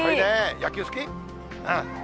野球好き。